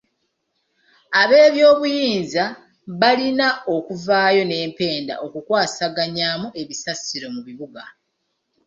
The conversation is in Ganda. Ab'obuyinza balina okuvaayo n'empenda okukwasaganyaamu ebisasiro mu bibuga.